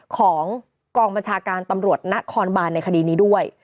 ของกองบัญชาการตำรวจนครบานในคดีนี้ด้วย